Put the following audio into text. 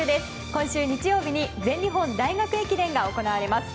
今週日曜日に全日本大学駅伝が行われます。